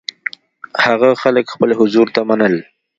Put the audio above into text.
هغه خلک خپل حضور ته منل.